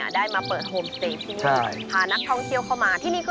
ได้มาเปิดโฮมสเตย์ที่นี่พานักท่องเที่ยวเข้ามาที่นี่คือ